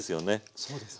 そうですね。